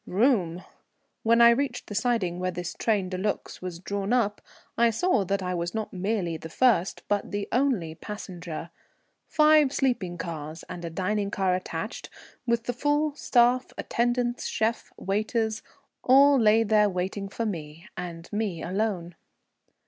Room! When I reached the siding where this train de luxe was drawn up, I saw that I was not merely the first but the only passenger. Five sleeping cars and a dining car attached, with the full staff, attendants, chef, waiters all lay there waiting for me, and me alone.